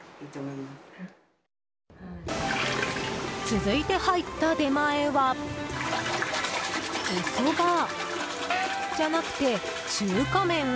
続いて入った出前はおそばじゃなくて中華麺？